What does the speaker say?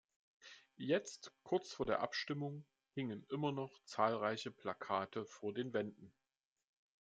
Jetzt, kurz vor der Abstimmung, hingen immer noch zahlreiche Plakate vor den Wänden.